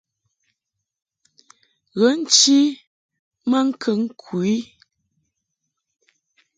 Ghə nchi maŋkəŋ ku i.